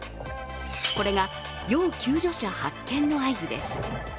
これが要救助者発見の合図です。